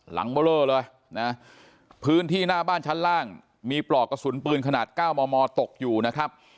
เบอร์เลอร์เลยนะพื้นที่หน้าบ้านชั้นล่างมีปลอกกระสุนปืนขนาด๙มมตกอยู่นะครับ